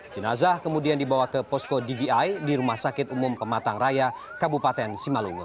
jenazah kemudian dibawa ke posko dvi di rumah sakit umum pematang raya kabupaten simalungun